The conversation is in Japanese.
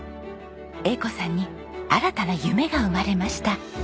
栄子さんに新たな夢が生まれました。